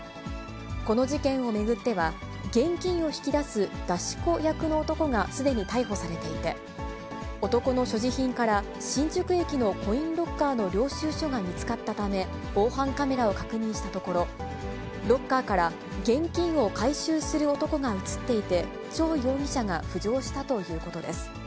この事件を巡っては、現金を引き出す出し子役の男がすでに逮捕されていて、男の所持品から、新宿駅のコインロッカーの領収書が見つかったため、防犯カメラを確認したところ、ロッカーから現金を回収する男が写っていて、張容疑者が浮上したということです。